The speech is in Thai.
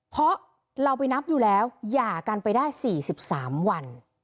เพราะเราไปนับอยู่แล้วหย่ากันไปได้๔๓วัน